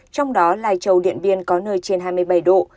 trong đó là chầu điện biên có nơi trên hai mươi bảy độ